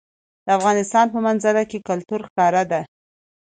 د افغانستان په منظره کې کلتور ښکاره ده.